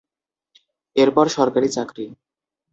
এরপর সরকারী চাকরি।